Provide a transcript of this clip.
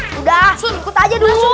sudah ikut aja dulu